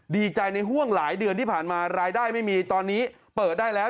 ดีใจในห่วงหลายเดือนที่ผ่านมารายได้ไม่มีตอนนี้เปิดได้แล้ว